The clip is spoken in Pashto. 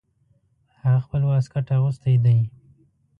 هغه خپل واسکټ اغوستی ده